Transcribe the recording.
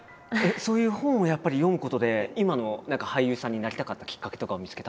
そういう本をやっぱり読むことで今の俳優さんになりたかったきっかけとかを見つけたんですか？